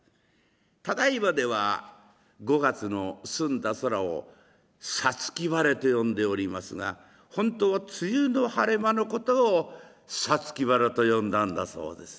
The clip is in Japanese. ただいまでは５月の澄んだ空を「五月晴れ」と呼んでおりますが本当は梅雨の晴れ間のことを五月晴れと呼んだんだそうですね。